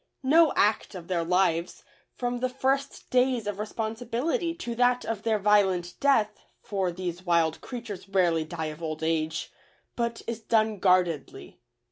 No act of their lives, from the first days of responsibility to that of their violent death (for these wild creatures rarely die of old age) but is done guardedly.